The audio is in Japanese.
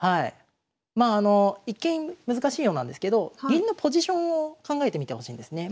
まああの一見難しいようなんですけど銀のポジションを考えてみてほしいんですね。